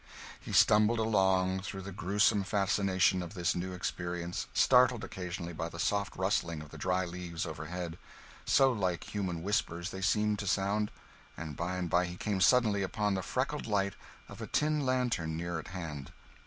He stumbled along, through the gruesome fascinations of this new experience, startled occasionally by the soft rustling of the dry leaves overhead, so like human whispers they seemed to sound; and by and by he came suddenly upon the freckled light of a tin lantern near at hand.